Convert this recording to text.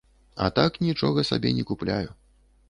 А так нічога сабе не купляю.